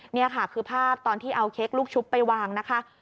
นี่ค่ะคือภาพตอนที่เอาเค้กลูกชุบไปวางนะคะ